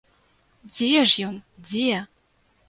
Дзе ж ён, дзе!